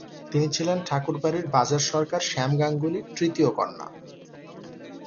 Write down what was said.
তিনি ছিলেন ঠাকুরবাড়ির বাজার সরকার শ্যাম গাঙ্গুলির তৃতীয় কন্যা।